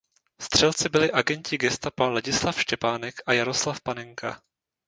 Střelci byli agenti gestapa Ladislav Štěpánek a Jaroslav Panenka.